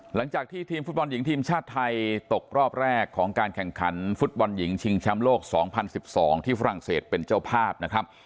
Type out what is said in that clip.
หลังจากที่ทีมฟุตบอลหญิงทีมชาติไทยตกรอบแรกของการแข่งขันฟุตบอลหญิงชิงแชมป์โลก๒๐๑๒ที่ฝรั่งเศสเป็นเจ้าภาพนะครับ